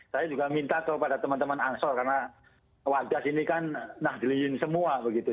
saya juga minta kepada teman teman ansor karena warga sini kan nahdliin semua begitu